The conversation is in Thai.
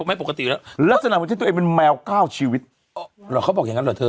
ไม่ปกติแล้วลักษณะว่าให้ตัวเองเป็นแมวก้าวชีวิตอ๋อเขาบอกอย่างงั้นหรอเธอ